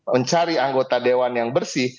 mencari anggota dewan yang bersih